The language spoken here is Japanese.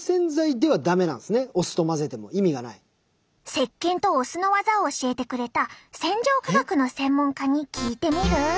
せっけんとお酢の技を教えてくれた洗浄科学の専門家に聞いてみる？